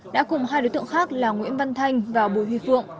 đã cùng hai đối tượng khác là nguyễn văn thanh và bùi huy phượng